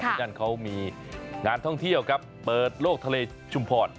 ที่นั่นเขามีงานท่องเที่ยวครับเปิดโลกทะเลชุมพร